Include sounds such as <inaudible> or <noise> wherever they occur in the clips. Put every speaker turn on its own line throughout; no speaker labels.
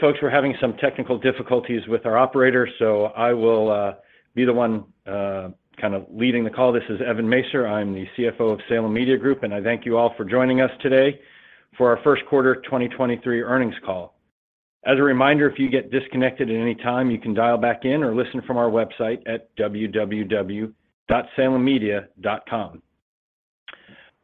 Folks, we're having some technical difficulties with our operator, so I will be the one kind of leading the call. This is Evan Masyr. I'm the CFO of Salem Media Group. I thank you all for joining us today for our Q1 2023 Earnings Call. A reminder, if you get disconnected at any time, you can dial back in or listen from our website at www.salemmedia.com.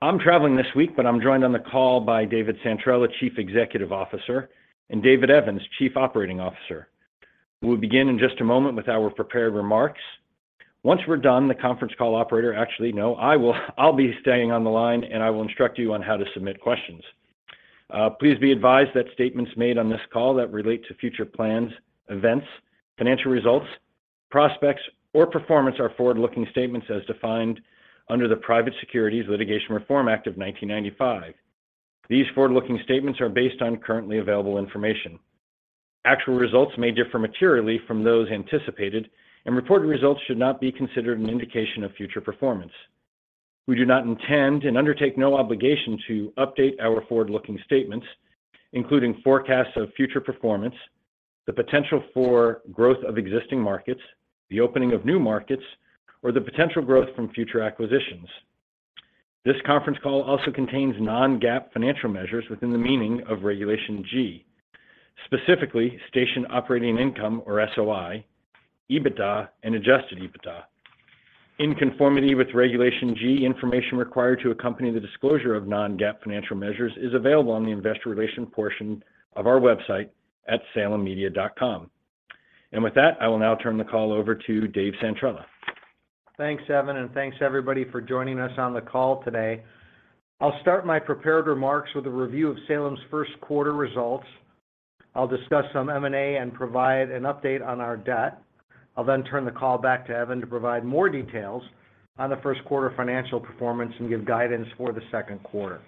I'm traveling this week. I'm joined on the call by David Santrella, Chief Executive Officer, and David Evans, Chief Operating Officer. We'll begin in just a moment with our prepared remarks. Once we're done, actually, no, I'll be staying on the line, and I will instruct you on how to submit questions. Please be advised that statements made on this call that relate to future plans, events, financial results, prospects, or performance are forward-looking statements as defined under the Private Securities Litigation Reform Act of 1995. These forward-looking statements are based on currently available information. Actual results may differ materially from those anticipated, and reported results should not be considered an indication of future performance. We do not intend and undertake no obligation to update our forward-looking statements, including forecasts of future performance, the potential for growth of existing markets, the opening of new markets, or the potential growth from future acquisitions. This conference call also contains non-GAAP financial measures within the meaning of Regulation G. Specifically, Station Operating Income, or SOI, EBITDA, and adjusted EBITDA. In conformity with Regulation G, information required to accompany the disclosure of non-GAAP financial measures is available on the investor relation portion of our website at salemmedia.com. With that, I will now turn the call over to Dave Santrella.
Thanks, Evan, and thanks everybody for joining us on the call today. I'll start my prepared remarks with a review of Salem's Q1 results. I'll discuss some M&A and provide an update on our debt. I'll turn the call back to Evan to provide more details on the Q1 financial performance and give guidance for the Q2.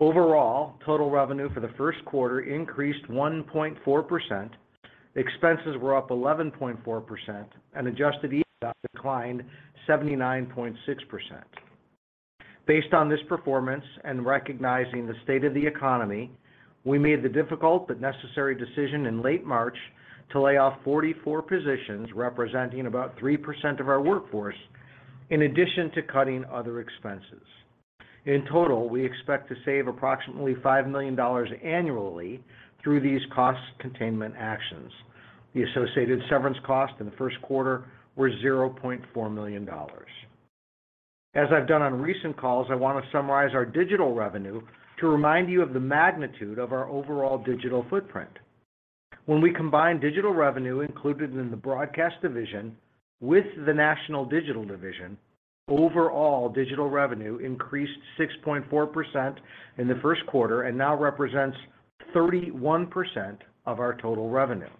Overall, total revenue for the Q1 increased 1.4%. Expenses were up 11.4%, and adjusted EBITDA declined 79.6%. Based on this performance and recognizing the state of the economy, we made the difficult but necessary decision in late March to lay off 44 positions, representing about 3% of our workforce, in addition to cutting other expenses. In total, we expect to save approximately $5 million annually through these cost containment actions. The associated severance costs in the Q1 were $0.4 million. As I've done on recent calls, I want to summarize our digital revenue to remind you of the magnitude of our overall digital footprint. When we combine digital revenue included in the Broadcast division with the National Digital division, overall digital revenue increased 6.4% in the Q1 and now represents 31% of our total revenue.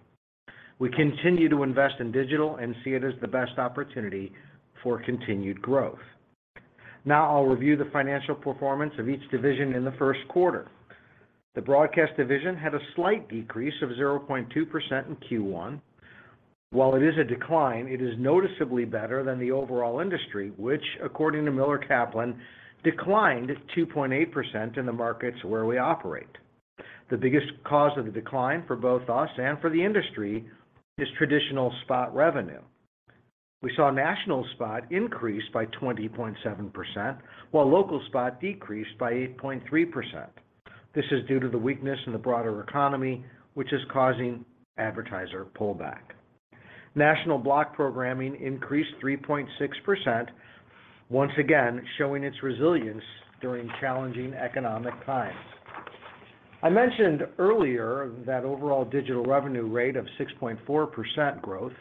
We continue to invest in digital and see it as the best opportunity for continued growth. Now I'll review the financial performance of each division in the Q1. The Broadcast division had a slight decrease of 0.2% in Q1. While it is a decline, it is noticeably better than the overall industry, which according to Miller Kaplan, declined 2.8% in the markets where we operate. The biggest cause of the decline for both us and for the industry is traditional spot revenue. We saw national spot increase by 20.7%, while local spot decreased by 8.3%. This is due to the weakness in the broader economy, which is causing advertiser pullback. National block programming increased 3.6%, once again, showing its resilience during challenging economic times. I mentioned earlier that overall digital revenue rate of 6.4% growth.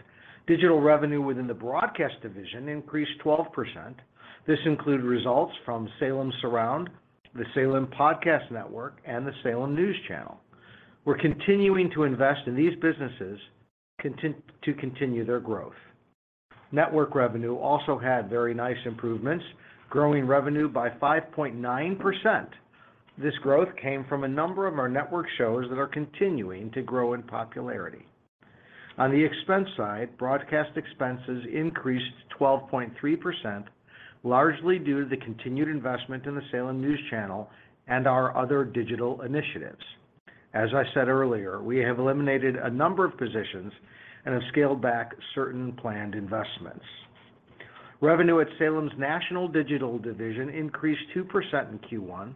Digital revenue within the Broadcast division increased 12%. This included results from Salem Surround, the Salem Podcast Network, and the Salem News Channel. We're continuing to invest in these businesses to continue their growth. Network revenue also had very nice improvements, growing revenue by 5.9%. This growth came from a number of our network shows that are continuing to grow in popularity. On the expense side, Broadcast expenses increased 12.3%, largely due to the continued investment in the Salem News Channel and our other digital initiatives. As I said earlier, we have eliminated a number of positions and have scaled back certain planned investments. Revenue at Salem's National Digital division increased 2% in Q1.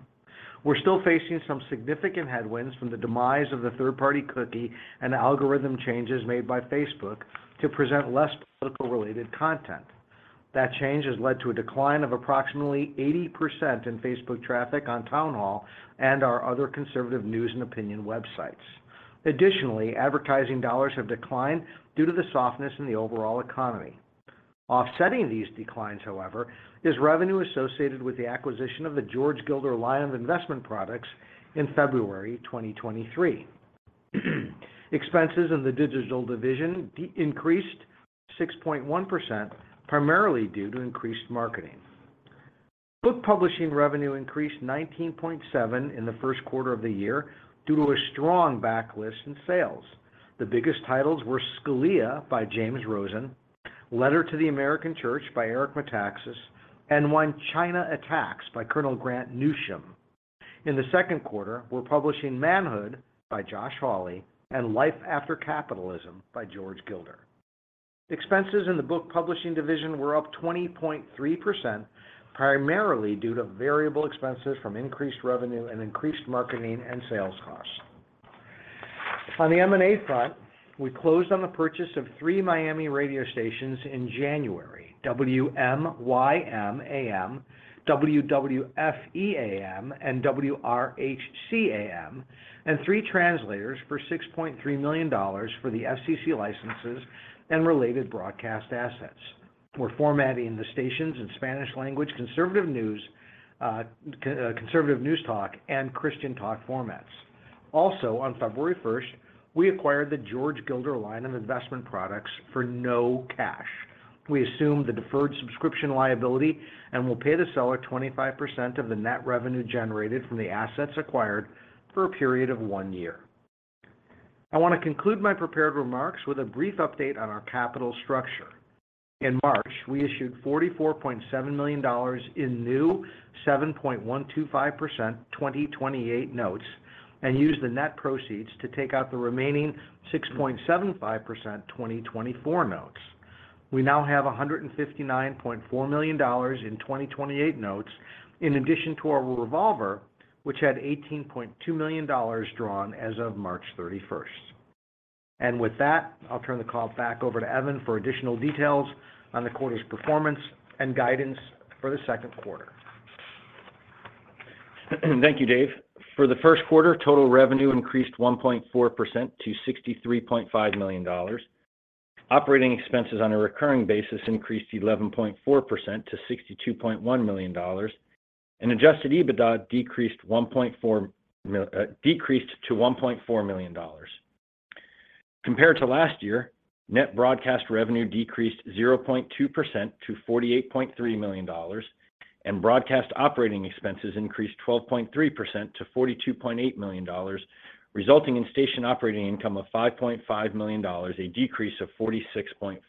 We're still facing some significant headwinds from the demise of the third-party cookie and algorithm changes made by Facebook to present less political related content. That change has led to a decline of approximately 80% in Facebook traffic on Townhall and our other conservative news and opinion websites. Advertising dollars have declined due to the softness in the overall economy. Offsetting these declines, however, is revenue associated with the acquisition of the George Gilder's line of investment products in February 2023. Expenses in the Digital division increased 6.1%, primarily due to increased marketing. Book publishing revenue increased 19.7% in the 1st quarter of the year due to a strong backlist in sales. The biggest titles were Scalia by James Rosen. Letter to the American Church by Eric Metaxas, and When China Attacks by Colonel Grant Newsham. In the 2nd quarter, we're publishing Manhood by Josh Hawley and Life after Capitalism by George Gilder. Expenses in the book publishing division were up 20.3%, primarily due to variable expenses from increased revenue and increased marketing and sales costs. On the M&A front, we closed on the purchase of three Miami radio stations in January, WMYM AM, WWFE AM, and WRHC AM, and three translators for $6.3 million for the FCC licenses and related broadcast assets. We're formatting the stations in Spanish language conservative news, conservative news talk, and Christian talk formats. On February first, we acquired the George Gilder line of investment products for no cash. We assume the deferred subscription liability and will pay the seller 25% of the net revenue generated from the assets acquired for a period of one year. I want to conclude my prepared remarks with a brief update on our capital structure. In March, we issued $44.7 million in new 7.125% 2028 Notes and used the net proceeds to take out the remaining 6.75% 2024 Notes. We now have $159.4 million in 2028 Notes in addition to our revolver, which had $18.2 million drawn as of March 31st. With that, I'll turn the call back over to Evan for additional details on the quarter's performance and guidance for the Q2.
Thank you, Dave. For the Q1, total revenue increased 1.4% to $63.5 million. Operating expenses on a recurring basis increased 11.4% to $62.1 million. Adjusted EBITDA decreased to $1.4 million. Compared to last year, net broadcast revenue decreased 0.2% to $48.3 million, and broadcast operating expenses increased 12.3% to $42.8 million, resulting in station operating income of $5.5 million, a decrease of 46.4%.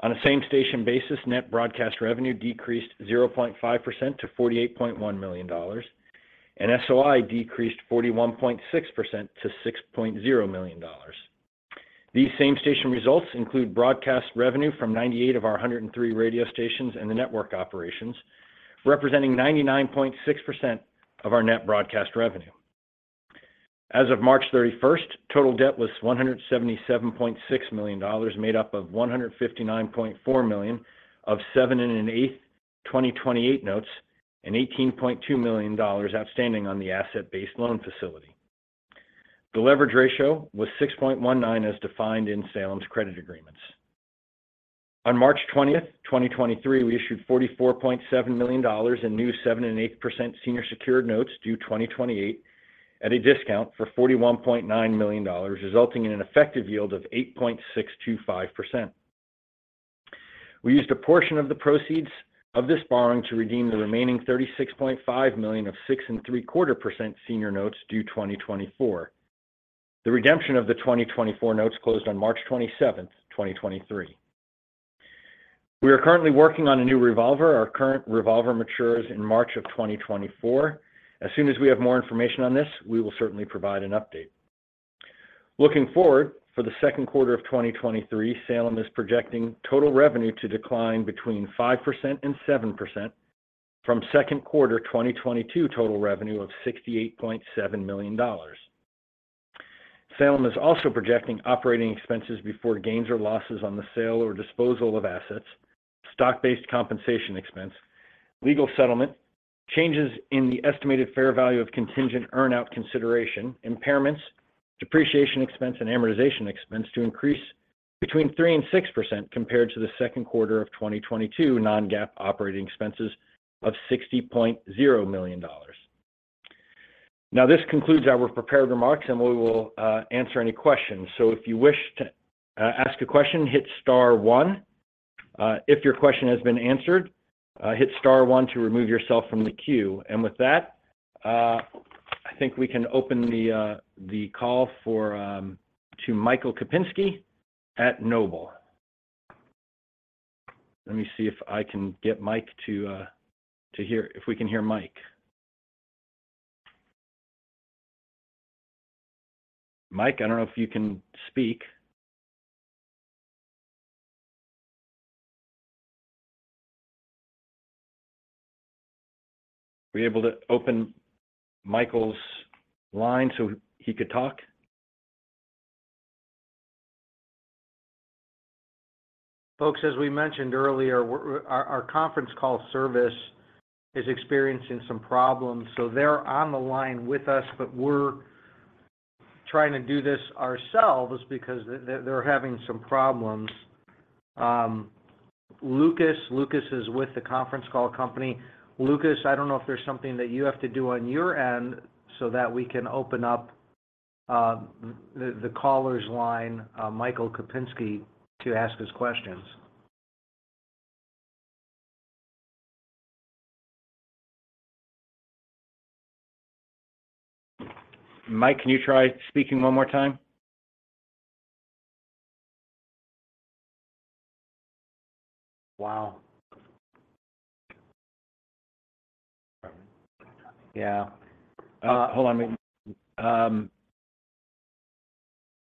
On a Same Station basis, net broadcast revenue decreased 0.5% to $48.1 million, and SOI decreased 41.6% to $6.0 million. These Same Station results include broadcast revenue from 98 of our 103 radio stations and the network operations, representing 99.6% of our net broadcast revenue. As of March 31st, total debt was $177.6 million, made up of $159.4 million of 7.125% Senior Secured Notes due 2028 and $18.2 million outstanding on the asset-based loan facility. The leverage ratio was 6.19, as defined in Salem's credit agreements. On March 20th, 2023, we issued $44.7 million in new 7.125% Senior Secured Notes due 2028 at a discount for $41.9 million, resulting in an effective yield of 8.625%. We used a portion of the proceeds of this borrowing to redeem the remaining $36.5 million of 6.75% Senior Secured Notes due 2024. The redemption of the 2024 Notes closed on March 27, 2023. We are currently working on a new revolver. Our current revolver matures in March of 2024. As soon as we have more information on this, we will certainly provide an update. Looking forward, for the Q2 of 2023, Salem is projecting total revenue to decline between 5% and 7% from Q2 2022 total revenue of $68.7 million. Salem is also projecting operating expenses before gains or losses on the sale or disposal of assets, stock-based compensation expense, legal settlement, changes in the estimated fair value of contingent earn-out consideration, impairments, depreciation expense, and amortization expense to increase between 3% and 6% compared to the Q2 of 2022 non-GAAP operating expenses of $60.0 million. This concludes our prepared remarks. We will answer any questions. If you wish to ask a question, hit star one. If your question has been answered, hit star one to remove yourself from the queue. With that, I think we can open the call for Michael Kupinski at Noble. Let me see if I can get Mike to hear if we can hear Mike. Mike, I don't know if you can speak. We able to open Michael's line so he could talk? Folks, as we mentioned earlier, our conference call service is experiencing some problems. They're on the line with us, but we're trying to do this ourselves because they're having some problems. Lucas is with the conference call company. Lucas, I don't know if there's something that you have to do on your end so that we can open up the caller's line, Michael Kupinski, to ask his questions. Mike, can you try speaking one more time? Wow. Yeah. Hold on. Let me...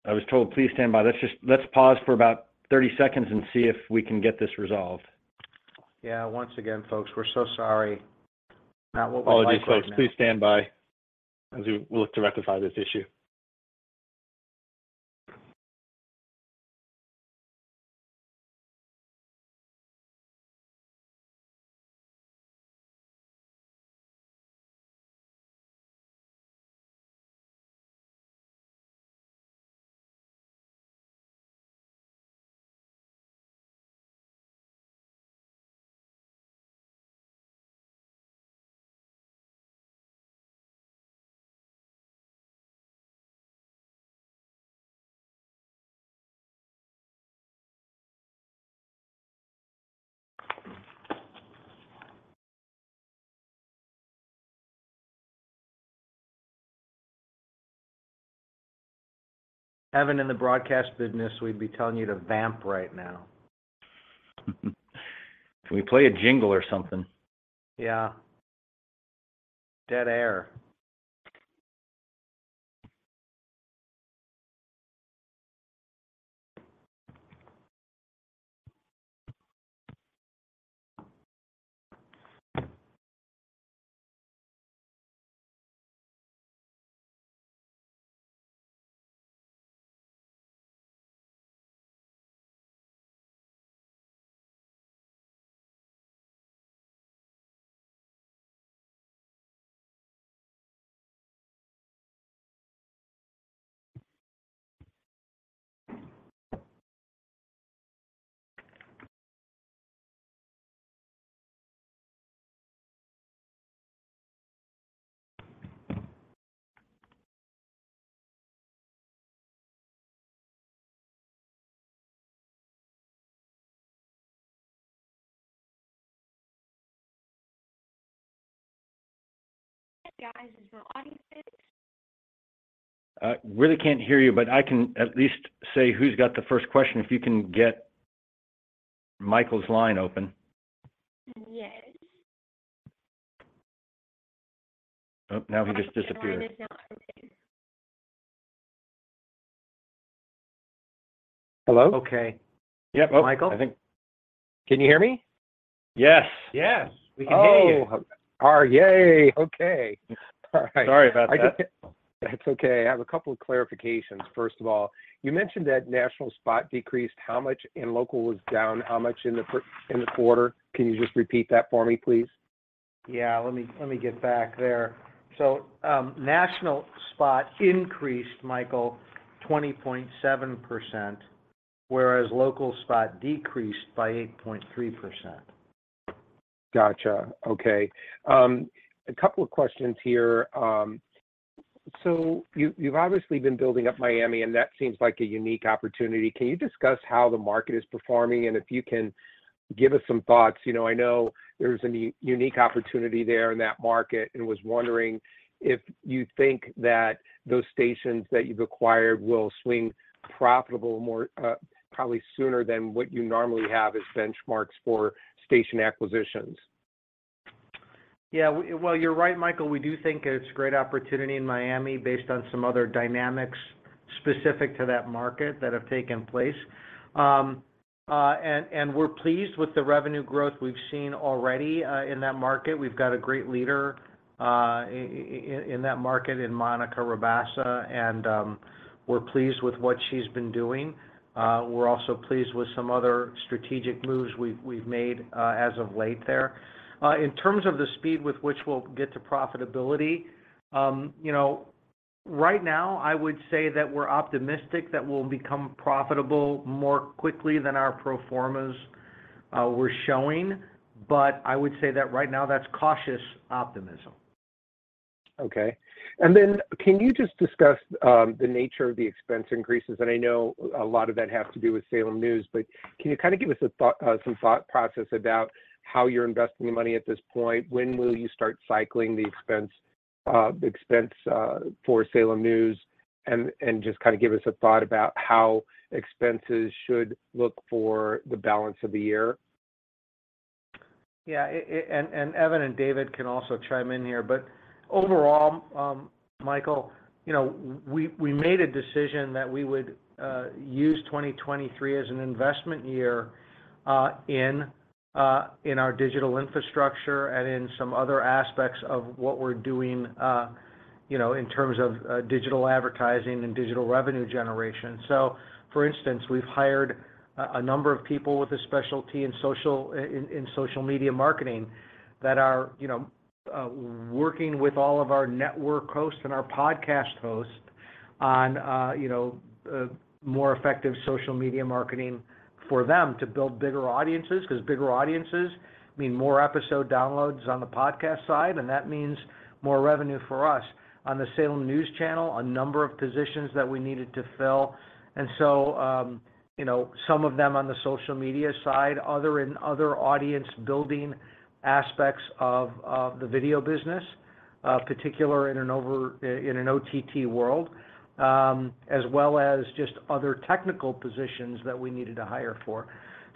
I was told please stand by. Let's pause for about 30 seconds and see if we can get this resolved.
Yeah. Once again, folks, we're so sorry. Not what we like right now.
Apologies, folks. Please stand by as we look to rectify this issue.
Having in the broadcast business, we'd be telling you to vamp right now.
Can we play a jingle or something?
Yeah. Dead air.
Guys, is the audience good?
I really can't hear you, but I can at least say who's got the first question if you can get Michael's line open.
Yes.
Now he just disappeared.
Michael's line is now open.
Hello?
Okay.
Yep.
Michael?
Can you hear me?
Yes.
Yes. We can hear you.
Oh. Yay. Okay. All right.
Sorry about that.
That's okay. I have a couple of clarifications. First of all, you mentioned that national spot decreased. How much in local was down? How much in the quarter? Can you just repeat that for me, please?
Yeah. Let me get back there. national spot increased, Michael, 20.7%, whereas local spot decreased by 8.3%.
Gotcha. Okay. A couple of questions here. You've obviously been building up Miami, and that seems like a unique opportunity. Can you discuss how the market is performing? If you can give us some thoughts. You know, I know there's a unique opportunity there in that market and was wondering if you think that those stations that you've acquired will swing profitable more, probably sooner than what you normally have as benchmarks for station acquisitions.
Well, you're right, Michael. We do think it's a great opportunity in Miami based on some other dynamics specific to that market that have taken place. We're pleased with the revenue growth we've seen already in that market. We've got a great leader in that market in Monica Rabassa. We're pleased with what she's been doing. We're also pleased with some other strategic moves we've made as of late there. In terms of the speed with which we'll get to profitability, you know, right now, I would say that we're optimistic that we'll become profitable more quickly than our pro formas were showing. I would say that right now that's cautious optimism.
Okay. Can you just discuss the nature of the expense increases? I know a lot of that has to do with Salem News, but can you kind of give us a thought, some thought process about how you're investing the money at this point? When will you start cycling the expense for Salem News? Just kind of give us a thought about how expenses should look for the balance of the year.
Evan and David can also chime in here. Overall, Michael, you know, we made a decision that we would use 2023 as an investment year in our digital infrastructure and in some other aspects of what we're doing, you know, in terms of digital advertising and digital revenue generation. For instance, we've hired a number of people with a specialty in social media marketing that are, you know, working with all of our network hosts and our podcast hosts on, you know, more effective social media marketing for them to build bigger audiences, 'cause bigger audiences mean more episode downloads on the podcast side, and that means more revenue for us. On the Salem News Channel, a number of positions that we needed to fill. You know, some of them on the social media side, other in other audience-building aspects of the video business. Particular in an over in an OTT world, as well as just other technical positions that we needed to hire for.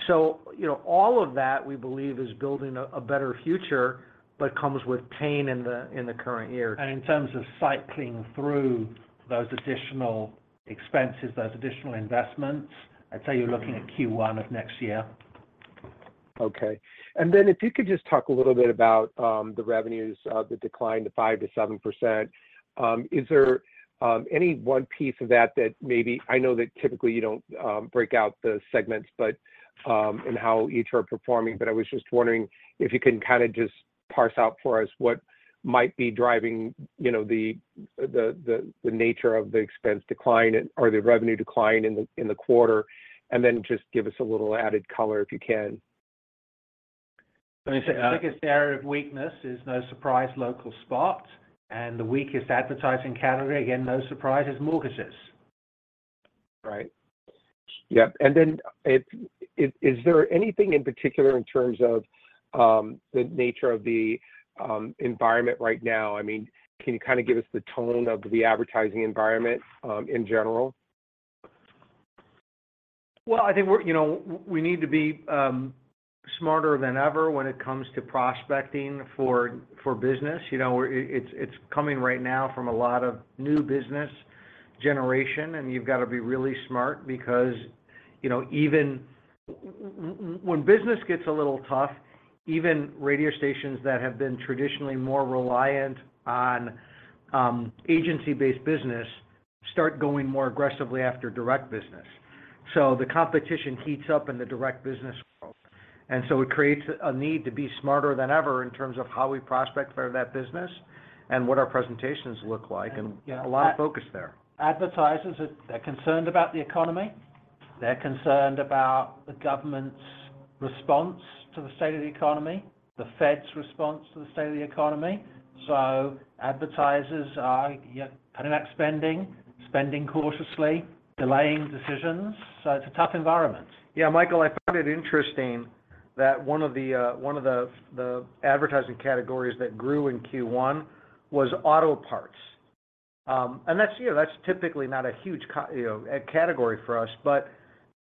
You know, all of that, we believe, is building a better future, but comes with pain in the, in the current year.
In terms of cycling through those additional expenses, those additional investments, I'd say you're looking at Q1 of next year.
Okay. If you could just talk a little bit about the revenues of the decline to 5% to 7%. Is there any one piece of that that maybe I know that typically you don't break out the segments and how each are performing, but I was just wondering if you can kinda just parse out for us what might be driving, you know, the nature of the expense decline or the revenue decline in the quarter, and then just give us a little added color if you can.
Let me say.
The biggest area of weakness is no surprise, local spot. The weakest advertising category, again, no surprise, is mortgages.
Right. Yep. Is there anything in particular in terms of the nature of the environment right now? I mean, can you kind of give us the tone of the advertising environment in general?
Well, I think we're, you know, we need to be smarter than ever when it comes to prospecting for business. You know, we're, it's coming right now from a lot of new business generation, and you've gotta be really smart because, you know, even when business gets a little tough, even radio stations that have been traditionally more reliant on agency-based business start going more aggressively after direct business. The competition heats up in the direct business world, it creates a need to be smarter than ever in terms of how we prospect for that business and what our presentations look like, and a lot of focus there.
Advertisers are concerned about the economy. They're concerned about the government's response to the state of the economy, the Fed's response to the state of the economy. Advertisers are cutting back spending cautiously, delaying decisions. It's a tough environment.
Yeah, Michael, I found it interesting that one of the advertising categories that grew in Q1 was auto parts. That's, you know, that's typically not a huge, you know, a category for us,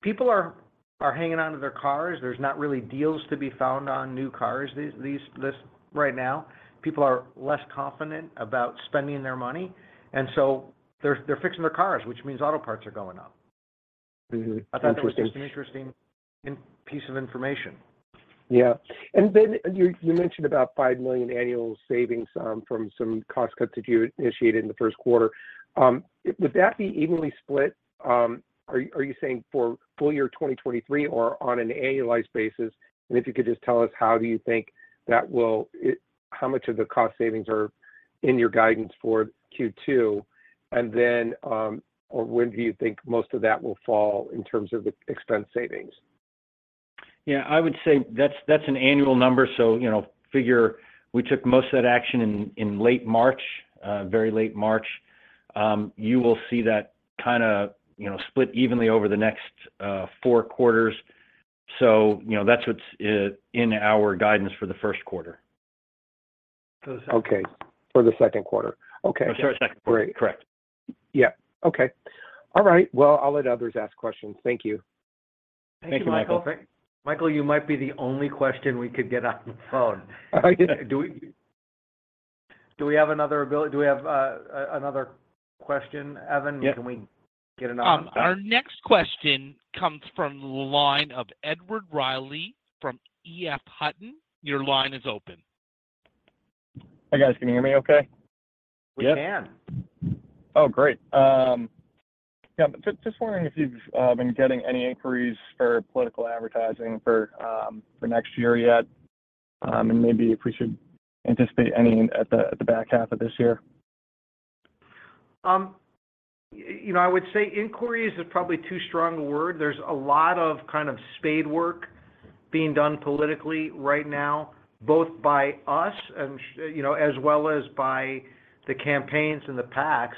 people are hanging onto their cars. There's not really deals to be found on new cars these right now. People are less confident about spending their money, they're fixing their cars, which means auto parts are going up.
Mm-hmm. Interesting.
I thought that was just an interesting piece of information.
Yeah. You mentioned about $5 million annual savings, from some cost cuts that you initiated in the Q1. Would that be evenly split? Are you saying for full year 2023 or on an annualized basis? If you could just tell us, how much of the cost savings are in your guidance for Q2, and then when do you think most of that will fall in terms of expense savings?
I would say that's an annual number. You know, figure we took most of that action in late March, very late March. You will see that kinda, you know, split evenly over the next four quarters. You know, that's what's in our guidance for the Q1.
Okay. For the Q2. Okay.
I'm sorry, Q2.
Great.
Correct.
Yeah. Okay. All right. I'll let others ask questions. Thank you.
Thank you, Michael.
Thank you, Michael.
Michael, you might be the only question we could get on the phone. Do we have another question, Evan?
Yep.
Can we get another question?
Our next question comes from the line of Edward Reilly from EF Hutton. Your line is open.
Hey, guys. Can you hear me okay?
We can.
Yes.
Oh, great. Yeah, just wondering if you've been getting any inquiries for political advertising for next year yet, maybe if we should anticipate any at the back half of this year.
you know, I would say inquiries is probably too strong a word. There's a lot of kind of spade work being done politically right now, both by us and you know, as well as by the campaigns and the PACs.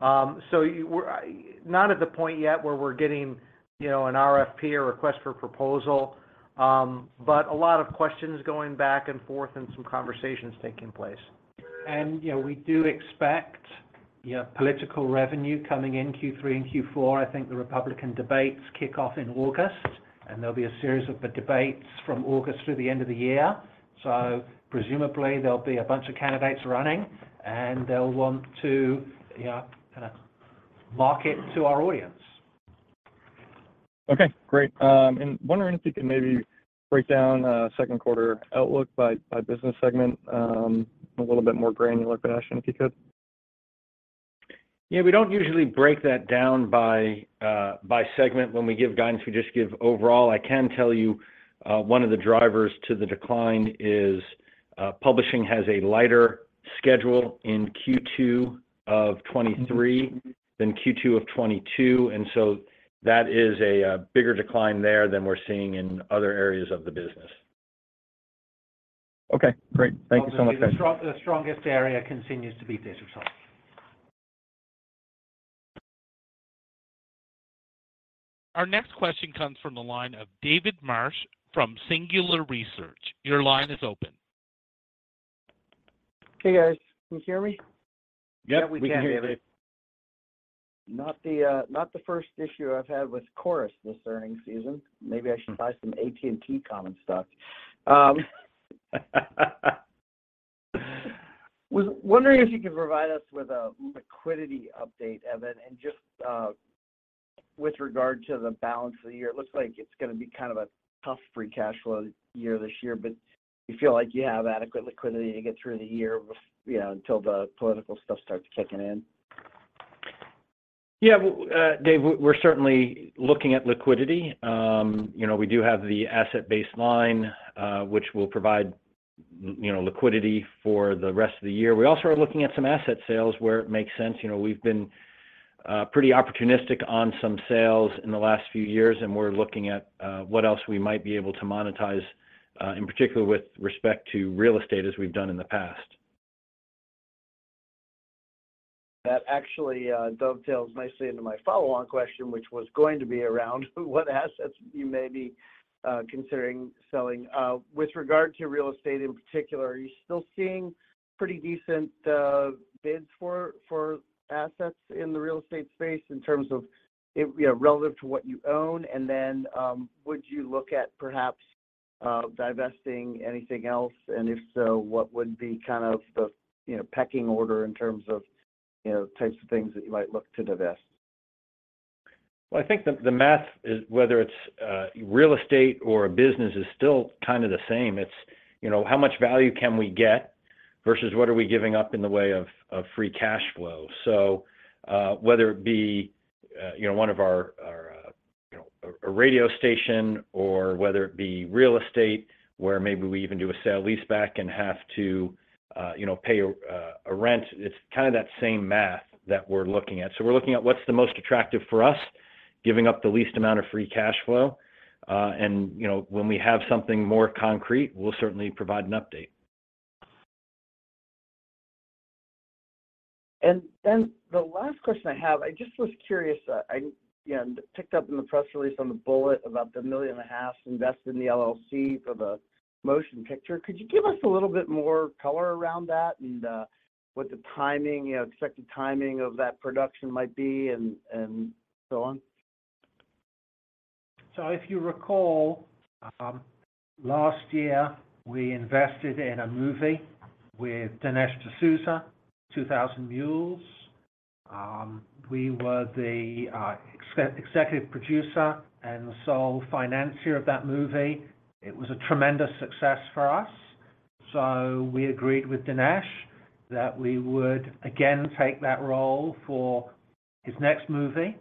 We're not at the point yet where we're getting, you know, an RFP or request for proposal, but a lot of questions going back and forth and some conversations taking place.
You know, we do expect, you know, political revenue coming in Q3 and Q4. I think the Republican debates kick off in August, and there'll be a series of the debates from August through the end of the year. Presumably, there'll be a bunch of candidates running, and they'll want to, you know, kind of market to our audience.
Okay, great. Wondering if you could maybe break down Q2 outlook by business segment in a little bit more granular fashion, if you could.
We don't usually break that down by segment when we give guidance. We just give overall. I can tell you, one of the drivers to the decline is publishing has a lighter schedule in Q2 of 2023 than Q2 of 2022, and so that is a, bigger decline there than we're seeing in other areas of the business.
Okay, great. Thank you so much, guys.
Obviously, the strongest area continues to be theater side. Our next question comes from the line of David Marsh from Singular Research. Your line is open.
Hey, guys. Can you hear me?
<crosstalk>
Not the first issue I've had with Chorus this earnings season. Maybe I should buy some AT&T common stock. Was wondering if you could provide us with a liquidity update, Evan, and just with regard to the balance of the year. It looks like it's gonna be kind of a tough free cash flow year this year, but do you feel like you have adequate liquidity to get through the year, you know, until the political stuff starts kicking in?
Yeah, well, Dave, we're certainly looking at liquidity. You know, we do have the asset-based loan facility, which will provide, you know, liquidity for the rest of the year. We also are looking at some asset sales where it makes sense. You know, we've been pretty opportunistic on some sales in the last few years, and we're looking at what else we might be able to monetize in particular with respect to real estate as we've done in the past.
That actually dovetails nicely into my follow-on question, which was going to be around what assets you may be considering selling. With regard to real estate in particular, are you still seeing pretty decent bids for assets in the real estate space in terms of it, you know, relative to what you own? Would you look at perhaps divesting anything else? If so, what would be kind of the, you know, pecking order in terms of, you know, types of things that you might look to divest?
I think the math is, whether it's real estate or a business is still kind of the same. It's, you know, how much value can we get versus what are we giving up in the way of free cash flow? Whether it be, you know, one of our, you know, a radio station or whether it be real estate, where maybe we even do a sale leaseback and have to, you know, pay a rent, it's kind of that same math that we're looking at. We're looking at what's the most attractive for us, giving up the least amount of free cash flow. You know, when we have something more concrete, we'll certainly provide an update.
The last question I have, I just was curious. I, you know, picked up in the press release on the bullet about the million and a half invested in the LLC for the motion picture. Could you give us a little bit more color around that and what the timing, you know, expected timing of that production might be and so on?
If you recall, last year, we invested in a movie with Dinesh D'Souza, 2000 Mules. We were the ex-executive producer and sole financier of that movie. It was a tremendous success for us. We agreed with Dinesh that we would again take that role for his next movie,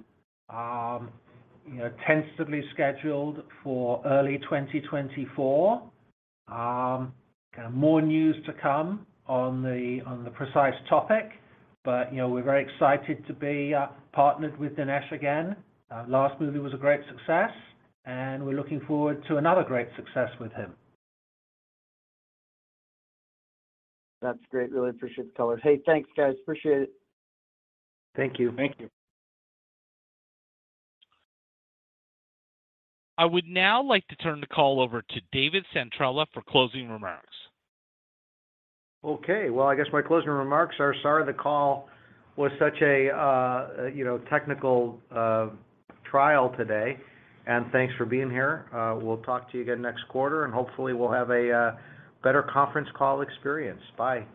you know, tentatively scheduled for early 2024. Kind of more news to come on the precise topic, but, you know, we're very excited to be partnered with Dinesh again. Last movie was a great success, and we're looking forward to another great success with him.
That's great. Really appreciate the color. Hey, thanks, guys. Appreciate it.
Thank you.
Thank you.
I would now like to turn the call over to David Santrella for closing remarks.
Okay. Well, I guess my closing remarks are sorry the call was such a, you know, technical, trial today. Thanks for being here. We'll talk to you again next quarter. Hopefully we'll have a better conference call experience. Bye.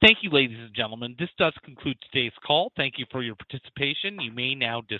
Thank you, ladies and gentlemen. This does conclude today's call. Thank you for your participation. You may now disconnect.